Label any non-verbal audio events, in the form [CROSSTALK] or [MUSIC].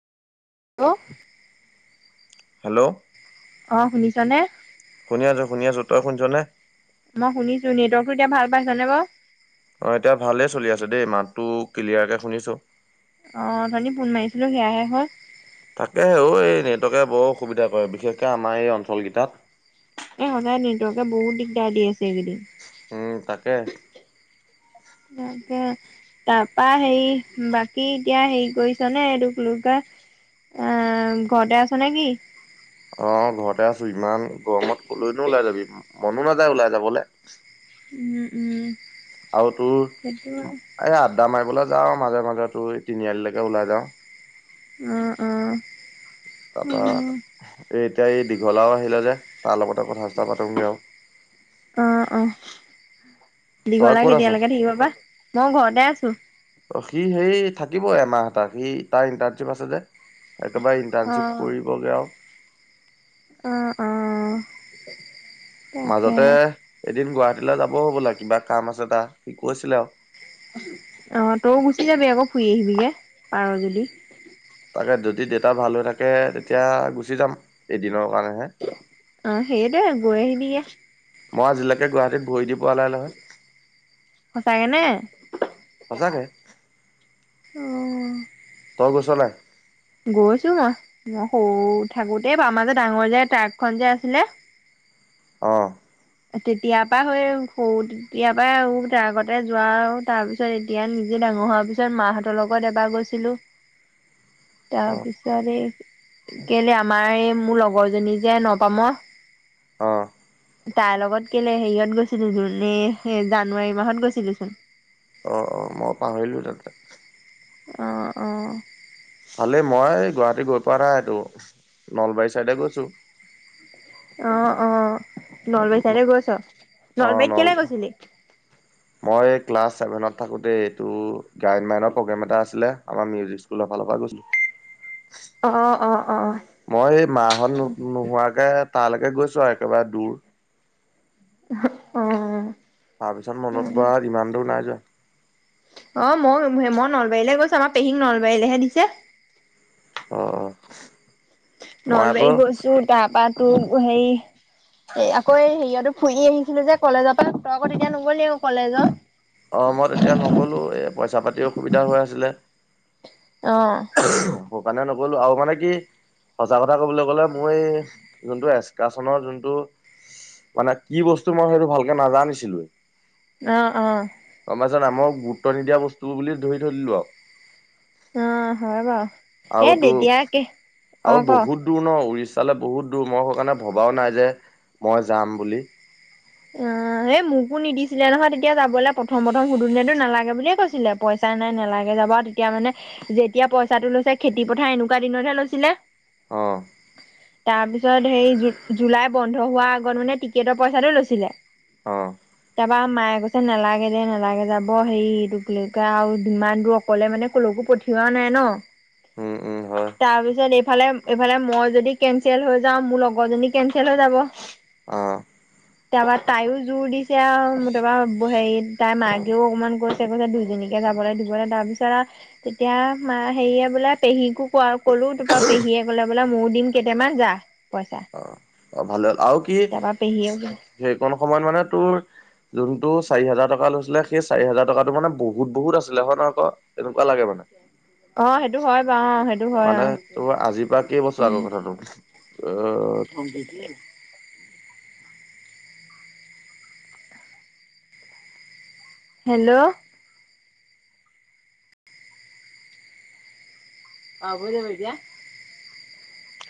Hello, hello, অহ, শুনিছা নে? শুনি আছো- শুনি আছো তই শুনিছ নে? মই শুনিছো নেটৱৰ্কটো এতিয়া ভাল পাইছ নে বাৰ? অ', এতিয়া ভালেই চলি আছে দেই মাতটো ক্লিয়াৰকে শুনিছো। অহ, অথনি ফোন মাৰিছিলো সেয়াহে হল তাকে হেও এই নেটৱৰ্কে বৰ অসুবিধা কৰে বিশেষকে আমাৰ এই অঞ্চল কেইটাত এ' সদায় নেটৱৰ্কে বহুত দিগদাৰ দি আছে এইকেইদিন। উম, তাকে। তাকে তাৰপা হেৰি বাকী এতিয়া হেৰি কৰিছ নে এইটোক লুগা আহ, ঘৰতে আছ নেকি? অহ, ঘৰতে আছো ইমান গৰমত কলৈনো ওলাই যাবি মনো নাযায় ওলাই যাবলে। উম- উম। আৰু তোৰ সেইটো এ' আড্ডা মাৰিবলে যাও মাজে মাজে তোৰ তিনিআলিলৈকে ওলাই যাওঁ। অহ, অহ। তাৰপা এই এতিয়া এই দীঘলাও আহিলে যে। তাৰ লগতে কথা চথা পাতোগে আও। অ অ অ দীঘলা কেতিয়ালৈকে থাকিব পা মই ঘৰতে আছো। থাকিবই এমাহ এটা সি তাৰ ইন্টাৰ্ণশ্বিপ আছে যে একেবাৰে ইণ্টাৰ্নশ্বিপ কৰিবগে আৰু। অহঁ অহ। মাজতে এদিন গুৱাহাটীলৈ যাব হ' বলা কিবা কাম আছে সি কৈছিলে আৰু। অ তই গুচি যাবি আকৌ ফুৰি আহিবিগে পাৰ যদি। তাকে যদি দেউতা ভাল হৈ থাকে তেতিয়া গুচি যাম এদিনত। অ সেইয়ে দে গৈ আহিবিগে। মই আজিলৈকে গুৱাহাটীত ভৰি দি পোৱা নাই নহয়। সঁচাকে নে সঁচাকে অ তই গৈচ নাই? গৈছো মই সৰু থাকোতেই বাৰ মাজে ডাঙৰ যে ট্ৰাকখনন যে আছিলে। আহ তেতিয়াৰ পৰা স সৰু তেতিয়াৰ পৰাই আৰু আগতে যোৱা আৰু তাৰ পিছত এতিয়া নিজে- ডাঙৰ হোৱাৰ পিছত মাহঁতৰ লগত এবাৰ গৈছিলো। অ', তাৰপিছত এই কেলে আমাৰ এই- মোৰ লগৰ জনী যে নপামৰ- অঁ তাৰ লগত কেলে হেৰিয়ত গৈছিলো চোন জানুৱাৰী মাহত গৈছিলোচোন অঁ অঁ মই পাহৰিলোঁ তাতে- আহঁ অঁ ভালে মই গুৱাহাটী গৈ পোৱা নাই এইটো নলবাৰী চাইডে গৈছো। অ অ নলবাৰী চাইডে গৈছ অ', নলবাৰীত নল কেলে গৈছিলি? মই ক্লাছ চছেভেনত থাকোঁতে এইটো গায়ন মাইনৰ প্ৰগ্ৰেম এটা আছিলে আমাৰ মিউজিক স্কুলৰ- ভালৰ পাই গৈছিলো। অ অ অ মই এই মাহত নোহোৱাকে তালৈকে গৈছো আৰু একেবাৰে দূৰ- অ তাৰ পিছত মনত পৰা ইমান দূৰ নাই যোৱা। অ মই মই নলবাৰীলৈ গৈছো আমাৰ পেহীক নলবাৰীলৈহে দিছে। অঁ অঁ নলবাৰী গৈছো তাৰ পৰা তোৰ হেৰি এই আকৌ এই হেৰিয়তো ফুৰি আহিছিলো যে কলেজৰ পৰা ত আগত এতিয়া নগ'লি কলেজৰ- অ মই তেতিয়া নগ'লো এই পইচা পাতি অসুবিধা হৈ আছিলে। আহ কাৰনে নগ'লো আৰু মানে কি- সঁচা কথা ক'বলৈ গলে মই যোনটো এক্সকাচনৰ যোনটো মানে কি বস্তু মই সেইটো ভালকে নাজানিছিলোৱে অ অ গম পাই চ নাই মই গুৰুত্ব নিদিয়া বস্তু বুলি ধৰি থৈ দিলো। আৰু অ হয় বাওঁ আৰুতো আৰু ক বহুত দূৰ ন উৰিষা ফালে বহুত দূৰ মই সেই কাৰণে ভবাও নাই যে মই যাম বুলি। অ হেই মোকো নিদিছিলে নহয় তেতিয়া যাবলৈ প্ৰথম প্ৰথম সুধোতে নালাগে বুলিয়ে কৈছিলে। পইচা নাই নালাগে যাবা তেতিয়া মানে যেতিয়া পইচাটো লৈছে খেতি পথাৰ এনেকুৱা দিনতহে লৈছিলে। অ', তাৰপিছত হেৰি জুলাই বন্ধ হোৱাৰ আগত মানে টিকেটৰ পইচাটো লৈছিলে। অ তাপা মায়ে কৈছে নালাগে দে নালাগে যাব হেই এইটো আৰু যিমান দূৰ অকলে মানে ক'লো পঠিওৱা নাই ন উ উম হয় তাৰ পিছত এইফালে এইফালে মই যদি কেনচেল হৈ যাওঁ মোৰ লগৰ জনী কেনচেল হৈ যাব। অ', [INAUDIBLE] তাৰপা তাইও জোৰ দিছে আৰু তাপা হেৰি তাইৰ মাকেও অকণমান কৈছে কৈছে দুজনীকে যাব দিবলে তাৰ পিছত আৰু তেতিয়া ম হেৰিয়ে বোলে পেহীকো ক কলো তাৰপৰা পেহীয়ে বলে ময় দিম কেইটামান যা পইচা অ'। অ ভালে হ'ল আৰু কি তাৰপৰা পেহীয়ে সেইকণ সময়ত মানে তোৰ যোনটো চাৰি হাজাৰ টকা লৈছিলে সেই চাৰি হাজাৰ টকাটো মানে বহুত বহুত আছিলে হয় হয় নহয় ক? এনেকুৱা লাগে মোৰ অ সেইটো হয় বাৰু অ সেইটো হয় অ মানে তোৰ আজিৰ পৰা কেই বছৰ আগৰ কথাটো অ দে হেল্ল' অ বুজ ধাবৰিতিয়া [UNINTELLIGIBLE]